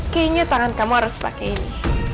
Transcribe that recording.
kayaknya tangan kamu harus pakai ini